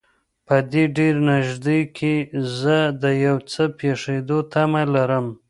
په دې ډېر نږدې کې زه د یو څه پېښېدو تمه لرم.